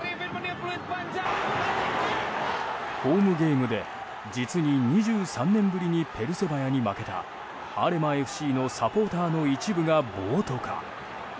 ホームゲームで実に２３年ぶりにペルセバヤに負けたアレマＦＣのサポーターの一部が暴徒化。